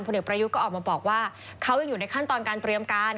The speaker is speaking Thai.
เด็กประยุทธ์ก็ออกมาบอกว่าเขายังอยู่ในขั้นตอนการเตรียมการ